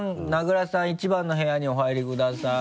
１番の部屋にお入りください。